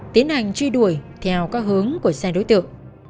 tiến hành truy đuổi theo các hướng của xe đối tượng